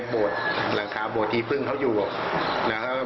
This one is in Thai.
บวชรังคาบวชที้พึ่งเขาอยู่นนะครับ